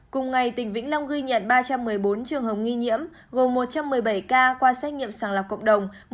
cùng ngày tỉnh vĩnh long ghi nhận ba trăm một mươi bốn trường hợp nghi nhiễm gồm một trăm một mươi bảy ca qua xét nghiệm sàng lọc cộng đồng